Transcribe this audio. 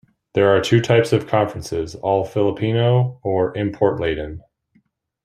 There are two types of conferences: All-Filipino or import-laden.